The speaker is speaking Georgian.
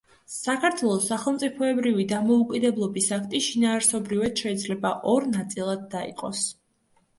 საქართველოს სახელმწიფოებრივი დამოუკიდებლობის აქტი შინაარსობრივად შეიძლება ორ ნაწილად დაიყოს.